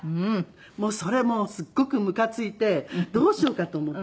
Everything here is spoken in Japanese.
それもうすごくむかついてどうしようかと思ったの。